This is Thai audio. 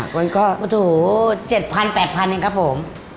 เฮ้อถูนะ๗๐๐๐๘๐๐๐ฯเองครับผม